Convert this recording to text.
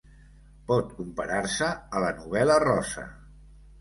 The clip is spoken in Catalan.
Pot comparar-se a la novel·la rosa.